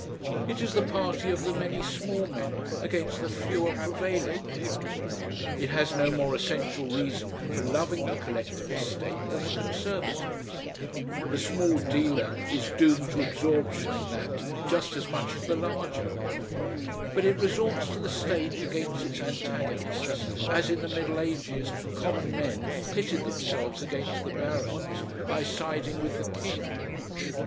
It is the party of the many small men against the fewer prevailing men. It has no more essential reason for loving the Collectivist state than the Conservatives; the small dealer is doomed to absorption in that just as much as the large owner; but it resorts to the state against its antagonists as in the middle ages common men pitted themselves against the barons by siding with the king.